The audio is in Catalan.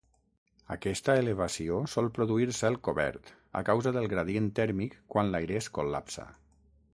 Aquesta elevació sol produir cel cobert, a causa del gradient tèrmic quan l'aire es col·lapsa.